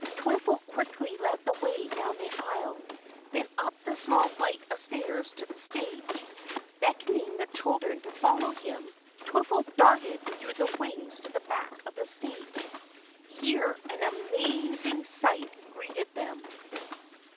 Twiffle quickly led the way down the aisle, then up the small flight of stairs to the stage. Beckoning the children to follow him, Twiffle darted through the wings to the back of the stage. Here an amazing sight greeted them.